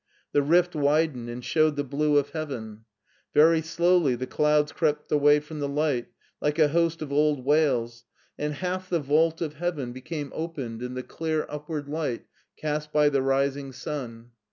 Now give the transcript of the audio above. The rift widened and showed the blue of heaven. Very slowly the clouds crept away from the light, like a host of old whales, and half the vault of heaven became opened SCHWARZWALD 249 in the clear upward light cast by the rising sun.